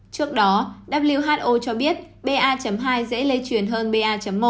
trước đó who cho biết ba hai dễ lây truyền hơn ba một